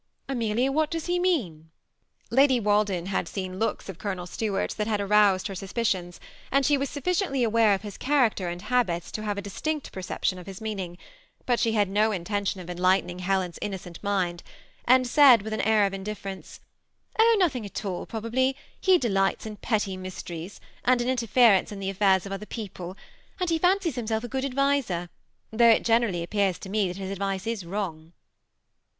Amelia, what does he mean?" Lady Walden had seen looks of Colcmel Stuart's THE SEMI ATTACHED COUPLE. 287 that had aroused her suspicions, and she was sufficiently aware of his character and habits to have a distinct perception of his meaning ; but she had no intention of enlightening Helen's innocent mind, and said, with an air of indifference, ^^ Oh, nothing at all probably. He delights in petty mysteries, and in interference in the affiurs of other people ; and he fancies himself a good adviser, though it generally appears to me that his advice is wrong."